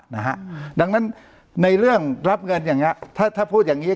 นะฮะดังนั้นในเรื่องรับเงินอย่างเงี้ถ้าถ้าพูดอย่างงี้